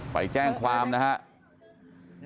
ไปแจ้งความนะครับ